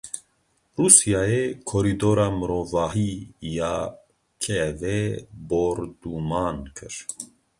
Rûsyayê korîdora mirovahî ya Kievê bordûman kir.